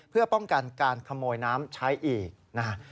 เพื่อป้องกันการขโมยน้ำใช้อีกนะฮะ